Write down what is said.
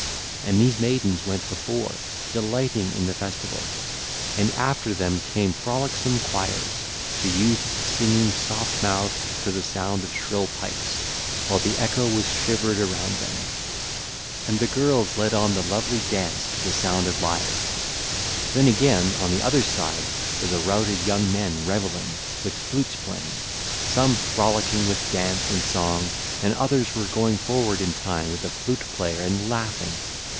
And these maidens went before, delighting in the festival; and after them came frolicsome choirs, the youths singing soft mouthed to the sound of shrill pipes, while the echo was shivered around them, and the girls led on the lovely dance to the sound of lyres. Then again on the other side was a rout of young men revelling, with flutes playing; some frolicking with dance and song, and others were going forward in time with a flute player and laughing.